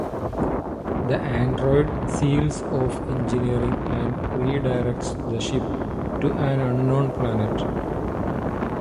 The android seals off engineering and redirects the ship to an unknown planet.